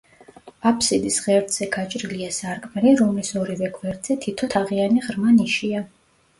აფსიდის ღერძზე გაჭრილია სარკმელი, რომლის ორივე გვერდზე თითო თაღიანი ღრმა ნიშია.